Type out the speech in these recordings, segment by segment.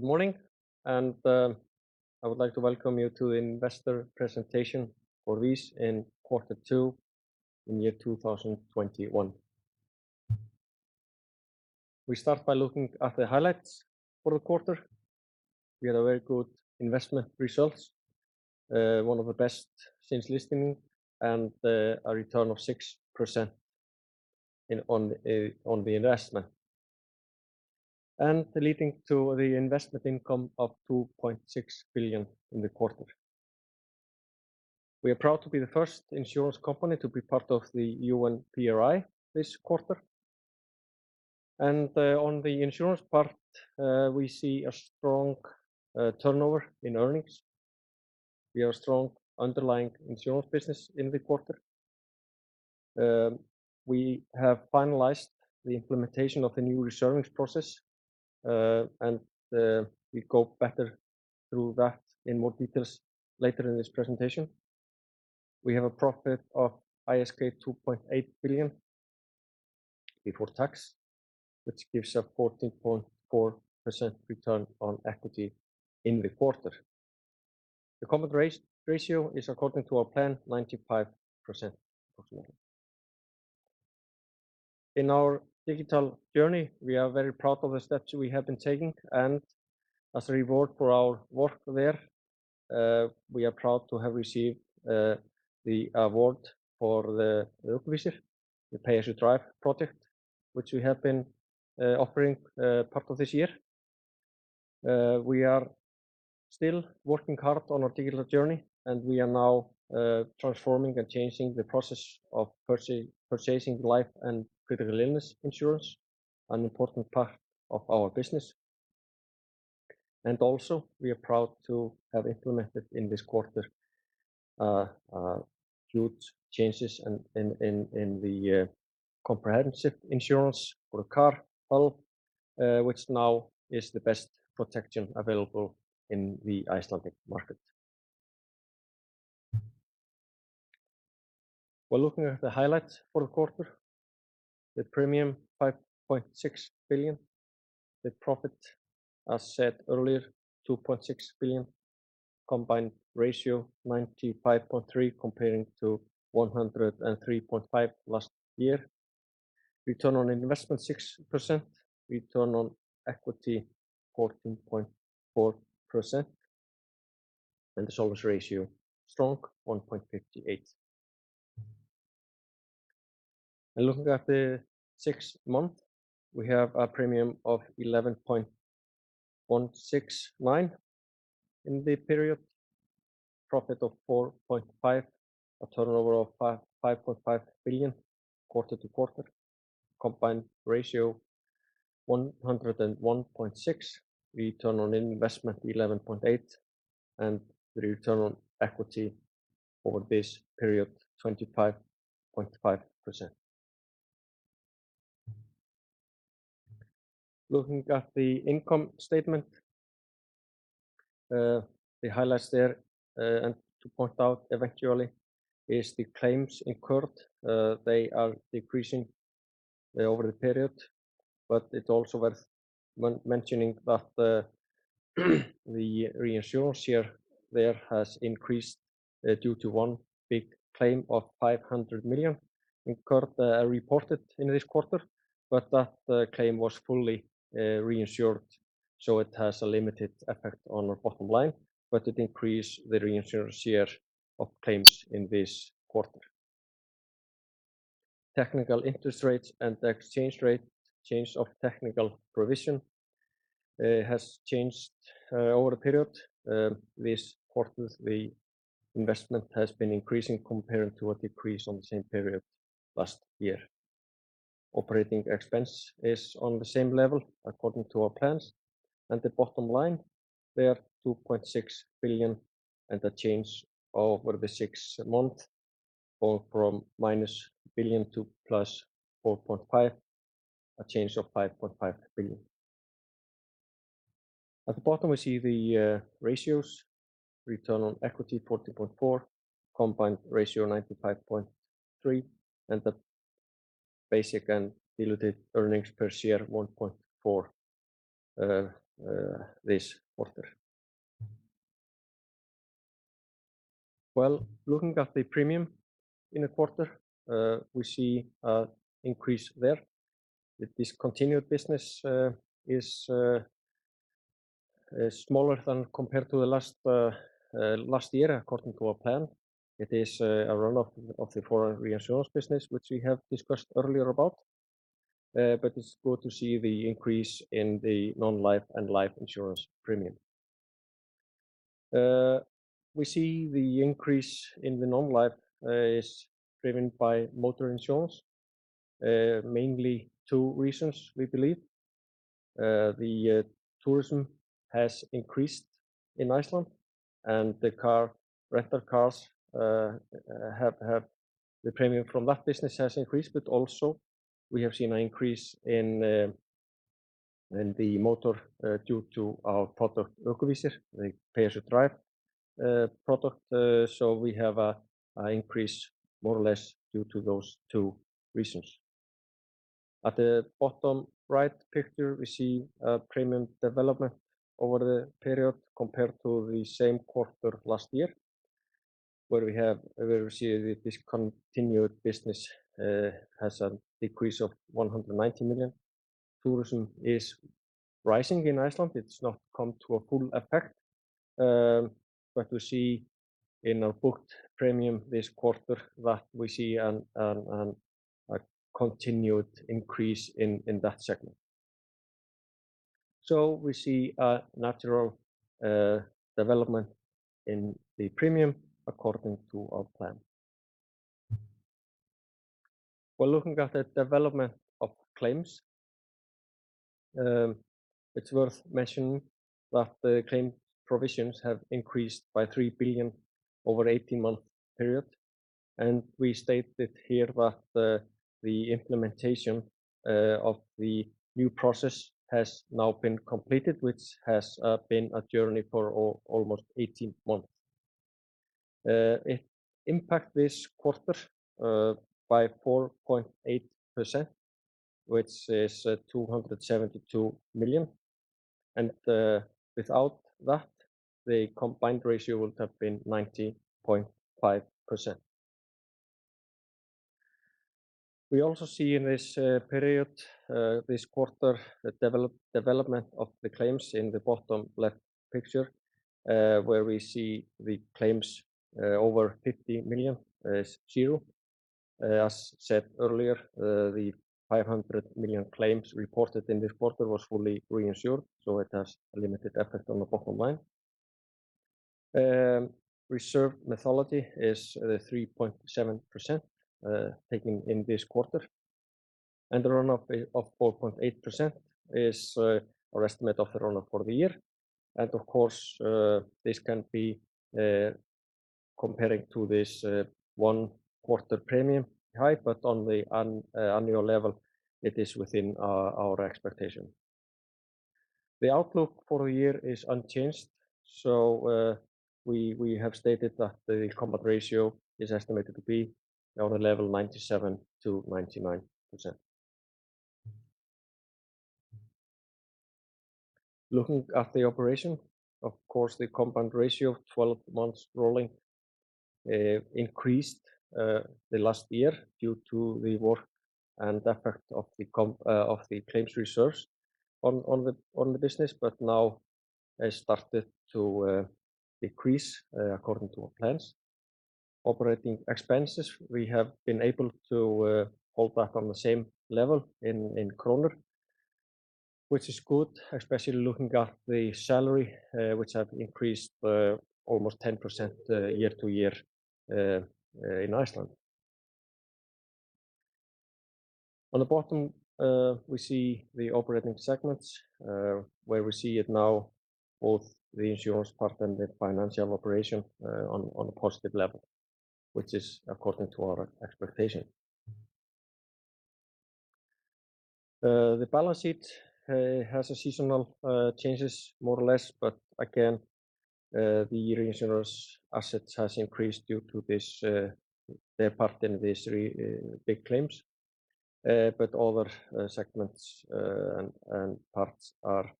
Good morning. I would like to welcome you to the investor presentation for VÍS in quarter two in year 2021. We start by looking at the highlights for the quarter. We had a very good investment results, one of the best since listing, and a return of 6% on the investment, and leading to the investment income of 2.6 billion in the quarter. We are proud to be the first insurance company to be part of the UN PRI this quarter. On the insurance part, we see a strong turnover in earnings. We are strong underlying insurance business in the quarter. We have finalized the implementation of the new reserving process, and we go better through that in more details later in this presentation. We have a profit of ISK 2.8 billion before tax, which gives a 14.4% return on equity in the quarter. The combined ratio is according to our plan, 95% or more. In our digital journey, we are very proud of the steps we have been taking, and as a reward for our work there, we are proud to have received the award for the Ökuvísir, the Pay As You Drive project, which we have been offering part of this year. We are still working hard on our digital journey, and we are now transforming and changing the process of purchasing life and critical illness insurance, an important part of our business. Also, we are proud to have implemented in this quarter huge changes in the comprehensive insurance for the car model, which now is the best protection available in the Icelandic market. While looking at the highlights for the quarter, the premium 5.6 billion, the profit, as said earlier, 2.6 billion, combined ratio 95.3% comparing to 103.5% last year. Return on investment 6%, return on equity 14.4%, the solvency ratio strong, 1.58. Looking at the six month, we have a premium of 11,169 in the period, profit of 4.5, a turnover of 5.5 billion quarter-to-quarter, combined ratio 101.6%, return on investment 11.8%, the return on equity over this period, 25.5%. Looking at the income statement, the highlights there, to point out eventually, is the claims incurred. They are decreasing over the period, it's also worth mentioning that the reinsurance share there has increased due to one big claim of 500 million reported in this quarter. That claim was fully reinsured, it has a limited effect on our bottom line, it increased the reinsurance share of claims in this quarter. Technical interest rates and the exchange rate change of technical provision has changed over the period. This quarter, the investment has been increasing compared to a decrease on the same period last year. operating expense is on the same level according to our plans. The bottom line there, 2.6 billion, and a change over the six-month, going from minus 1 billion to plus 4.5 billion, a change of 5.5 billion. At the bottom, we see the ratios, return on equity 40.4%, combined ratio 95.3%, and the basic and diluted earnings per share 1.4 this quarter. Well, looking at the premium in a quarter, we see an increase there. The discontinued business is smaller than compared to the last year according to our plan. It is a runoff of the foreign reinsurance business, which we have discussed earlier about. It's good to see the increase in the non-life and life insurance premium. We see the increase in the non-life is driven by motor insurance, mainly two reasons we believe. The tourism has increased in Iceland and the rental cars, the premium from that business has increased, but also we have seen an increase in the motor due to our product Ökuvísir, the Pay As You Drive product. We have a increase more or less due to those two reasons. At the bottom right picture, we see a premium development over the period compared to the same quarter last year, where we see the discontinued business has a decrease of 190 million. Tourism is rising in Iceland. It's not come to a full effect, but we see in our booked premium this quarter that we see a continued increase in that segment. We see a natural development in the premium according to our plan. While looking at the development of claims, it's worth mentioning that the claim provisions have increased by 3 billion over 18-month period. We stated here that the implementation of the new process has now been completed, which has been a journey for almost 18 months. It impacted this quarter by 4.8%, which is 272 million. Without that, the combined ratio would have been 90.5%. We also see in this period, this quarter, the development of the claims in the bottom left picture, where we see the claims over 50 million is zero. As said earlier, the 500 million claims reported in this quarter was fully reinsured. It has a limited effect on the bottom line. Reserve methodology is 3.7%, taking in this quarter. The run-off of 4.8% is our estimate of the run-off for the year. Of course, this can be comparing to this one quarter premium high. On the annual level, it is within our expectation. The outlook for the year is unchanged. We have stated that the combined ratio is estimated to be on the level 97%-99%. Looking at the operation, of course, the combined ratio of 12-months rolling increased the last year due to the work and effect of the claims reserves on the business, but now has started to decrease according to our plans. Operating expenses, we have been able to hold back on the same level in ISK, which is good, especially looking at the salary, which have increased almost 10% year-over-year in Iceland. On the bottom, we see the operating segments, where we see it now, both the insurance part and the financial operation are on a positive level, which is according to our expectation. The balance sheet has seasonal changes more or less. Again, the reinsurers' assets have increased due to their part in these big claims. Other segments and parts are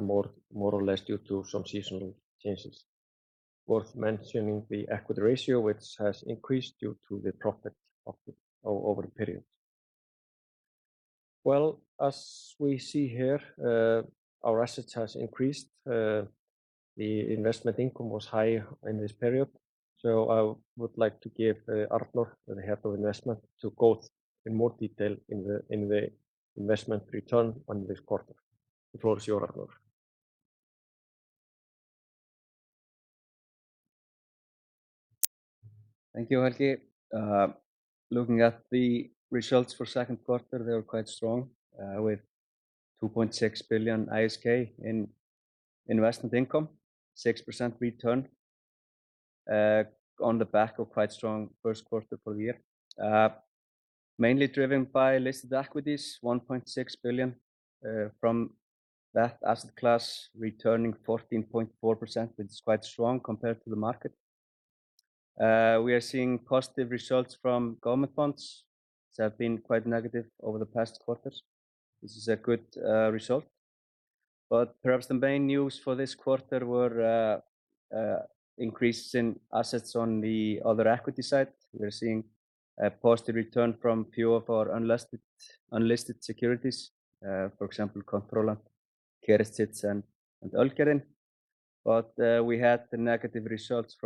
more or less due to some seasonal changes. Worth mentioning the equity ratio, which has increased due to the profit over the period. Well, as we see here, our assets have increased. The investment income was high in this period. I would like to give Arnar, the Head of Investment, to go in more detail in the investment return on this quarter. The floor is yours, Arnar. Thank you, Helgi. Looking at the results for second quarter, they were quite strong, with 2.6 billion ISK in investment income, 6% return, on the back of quite strong first quarter for the year. Mainly driven by listed equities, 1.6 billion from that asset class, returning 14.4%, which is quite strong compared to the market. We are seeing positive results from government bonds, which have been quite negative over the past quarters. Perhaps the main news for this quarter were increase in assets on the other equity side. We're seeing a positive return from a few of our unlisted securities, for example, Controlant, Kerecis, and Ölgerðin. We had the negative results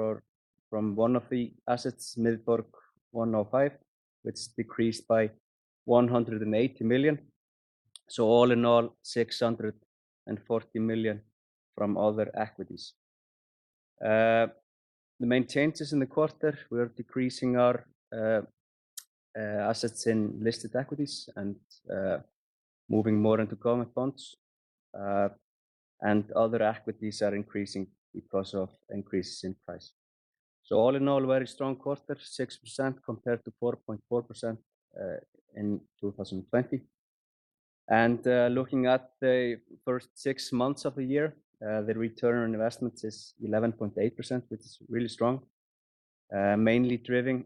from one of the assets, Miðborg 105, which decreased by 180 million. All in all, 640 million from other equities. The main changes in the quarter, we're decreasing our assets in listed equities and moving more into government bonds, and other equities are increasing because of increases in price. All in all, very strong quarter, 6% compared to 4.4% in 2020. Looking at the first six months of the year, the return on investments is 11.8%, which is really strong. Mainly driven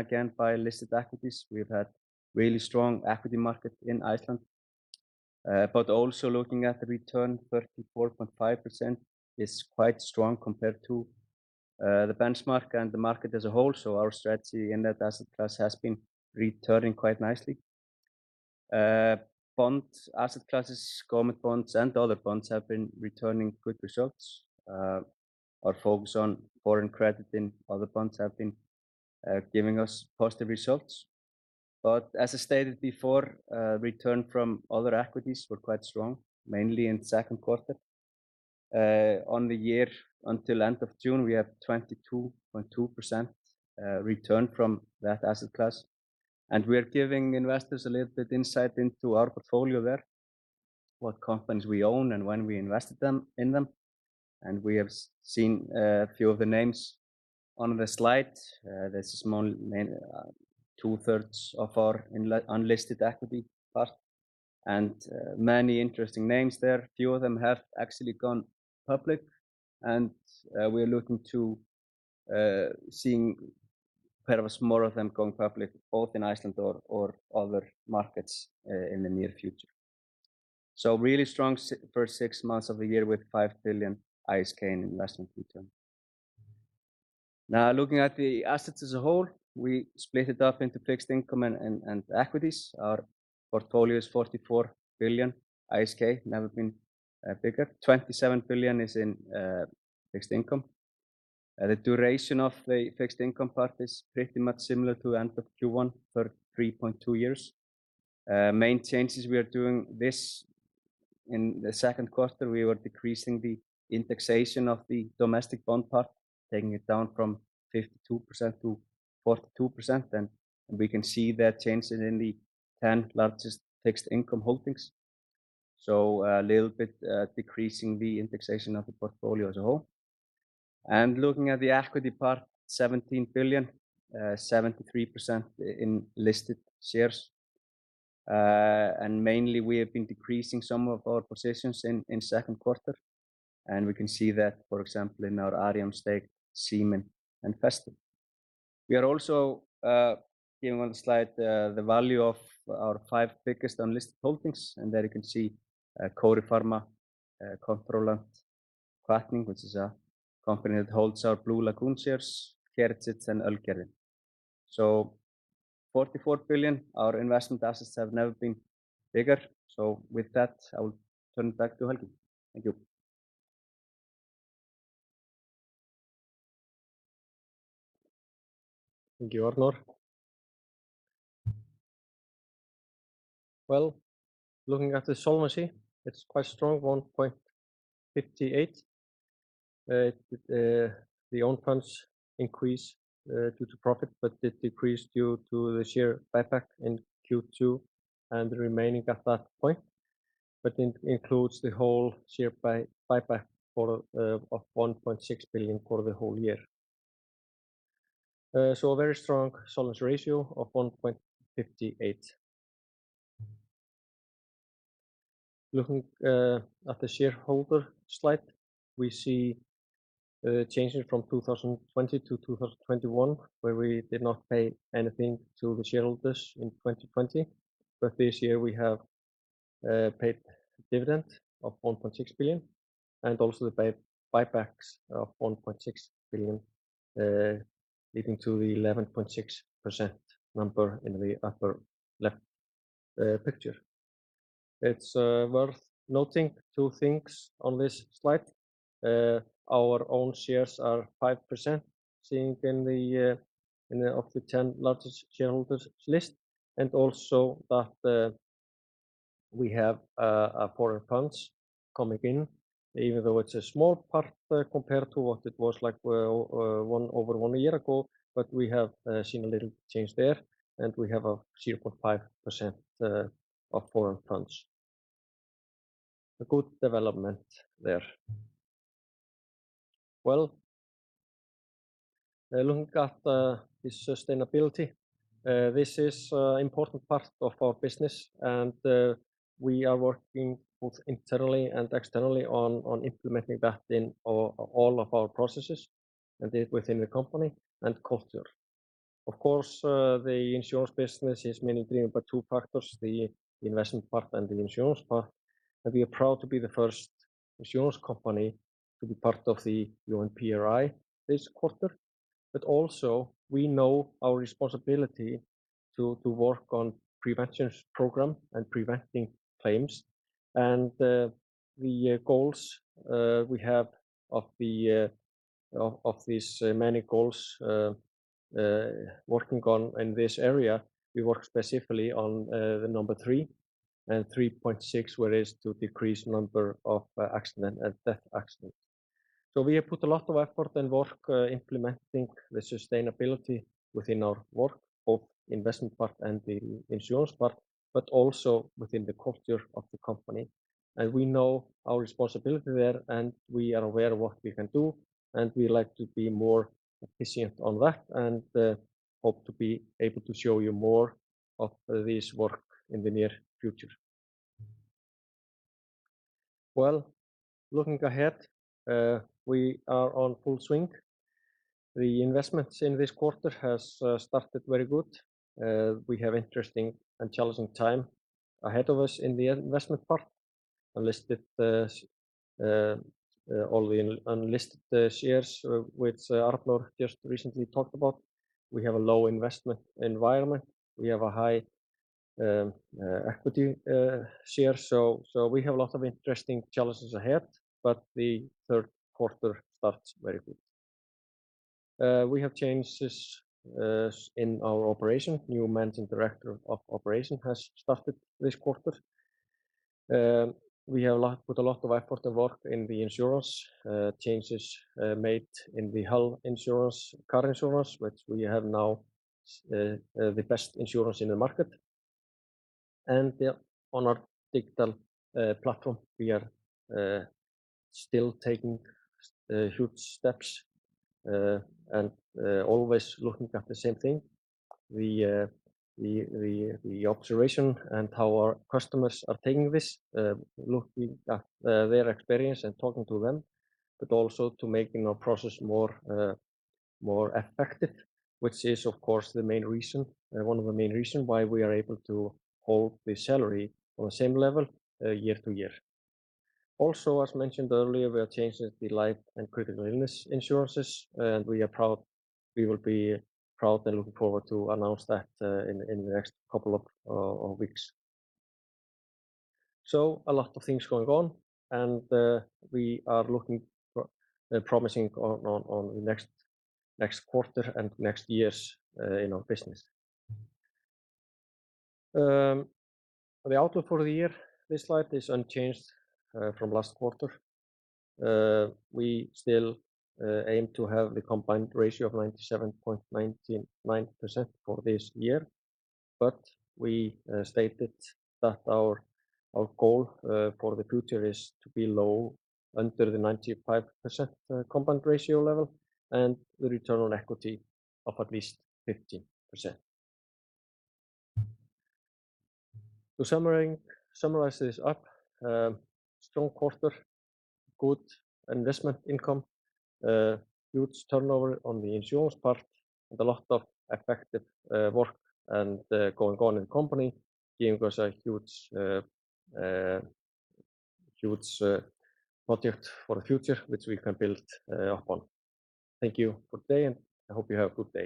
again by listed equities. We've had really strong equity market in Iceland. Also looking at the return, 34.5% is quite strong compared to the benchmark and the market as a whole. Our strategy in that asset class has been returning quite nicely. Bond asset classes, government bonds and other bonds have been returning good results. Our focus on foreign credit in other bonds have been giving us positive results. As I stated before, return from other equities were quite strong, mainly in Q2. On the year until end of June, we have 22.2% return from that asset class. We are giving investors a little bit insight into our portfolio there, what companies we own, and when we invested in them. We have seen a few of the names on the slide. This is 2/3 of our unlisted equity part. Many interesting names there. Few of them have actually gone public. We are looking to seeing perhaps more of them going public, both in Iceland or other markets in the near future. Really strong first six months of the year with 5 billion ISK in investment return. Looking at the assets as a whole, we split it up into fixed income and equities. Our portfolio is 44 billion, never been bigger. 27 billion is in fixed income. The duration of the fixed income part is pretty much similar to end of Q1, 33.2 years. Main changes we are doing this in the second quarter, we were decreasing the indexation of the domestic bond part, taking it down from 52%-42%. We can see that change in the 10 largest fixed income holdings. A little bit decreasing the indexation of the portfolio as a whole. Looking at the equity part, 17 billion, 73% in listed shares. Mainly we have been decreasing some of our positions in second quarter, and we can see that, for example, in our Arion stake, Síminn, and Festi. We are also given on the slide the value of our five biggest unlisted holdings, and there you can see Coripharma, Controlant, Hvatning which is a company that holds our Blue Lagoon shares, Kerecis and Ölgerðin. 44 billion, our investment assets have never been bigger. With that, I will turn it back to Helgi. Thank you. Thank you, Arnar. Well, looking at the solvency, it's quite strong, 1.58. The own funds increase due to profit, but it decreased due to the share buyback in Q2 and remaining at that point. It includes the whole share buyback of 1.6 billion for the whole year. A very strong solvency ratio of 1.58. Looking at the shareholder slide, we see changes from 2020 to 2021, where we did not pay anything to the shareholders in 2020. This year we have paid dividend of 1.6 billion and also the buybacks of 1.6 billion, leading to the 11.6% number in the upper left picture. It's worth noting two things on this slide. Our own shares are 5% seeing in the of the 10 largest shareholders list and also that we have foreign funds coming in even though it's a small part compared to what it was like over one year ago, but we have seen a little change there, and we have a 0.5% of foreign funds. A good development there. Well, looking at the sustainability, this is an important part of our business and we are working both internally and externally on implementing that in all of our processes and within the company and culture. Of course, the insurance business is mainly driven by two factors, the investment part and the insurance part. We are proud to be the first insurance company to be part of the UN PRI this quarter. Also we know our responsibility to work on preventions program and preventing claims. The goals we have of these many goals working on in this area, we work specifically on the number three and three point six, where is to decrease number of accident and death accidents. We have put a lot of effort and work implementing the sustainability within our work, both investment part and the insurance part, but also within the culture of the company. We know our responsibility there, and we are aware of what we can do, and we like to be more efficient on that and hope to be able to show you more of this work in the near future. Looking ahead, we are on full swing. The investments in this quarter has started very good. We have interesting and challenging time ahead of us in the investment part. All the unlisted shares, which Arnar just recently talked about. We have a low investment environment. We have a high equity share. We have a lot of interesting challenges ahead, but the third quarter starts very good. We have changes in our operation. New managing director of operation has started this quarter. We have put a lot of effort and work in the insurance, changes made in the health insurance, car insurance, which we have now, the best insurance in the market. On our digital platform, we are still taking huge steps, and always looking at the same thing. The observation and how our customers are taking this, looking at their experience and talking to them, but also to making our process more effective, which is, of course, one of the main reason why we are able to hold the salary on the same level year-to-year. Also, as mentioned earlier, we are changing the life and critical illness insurance, and we will be proud and looking forward to announce that in the next couple of weeks. A lot of things going on, and we are looking promising on the next quarter and next year's in our business. The outlook for the year, this slide is unchanged from last quarter. We still aim to have the combined ratio of 97.99% for this year, but we stated that our goal, for the future is to be low under the 95% combined ratio level and the return on equity of at least 50%. To summarize this up, strong quarter, good investment income, huge turnover on the insurance part and a lot of effective work and going on in company, giving us a huge project for the future, which we can build upon. Thank you for today. I hope you have a good day.